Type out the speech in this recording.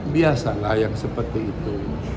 biasalah yang seperti itu